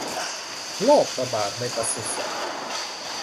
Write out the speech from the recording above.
โรคระบาดในปศุสัตว์